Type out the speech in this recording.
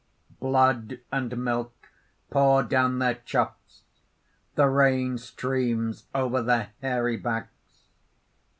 (_Blood and milk pour down their chops. The rain streams over their hairy backs.